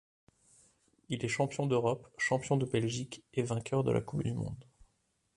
Il est champion d'Europe, champion de Belgique et vainqueur de la Coupe du monde.